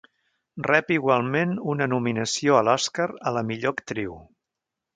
Rep igualment una nominació a l'Oscar a la millor actriu.